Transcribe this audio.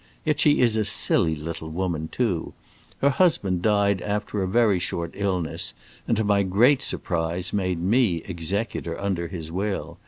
Yet she is a silly little woman, too. Her husband died after a very short illness, and, to my great surprise, made me executor under his will.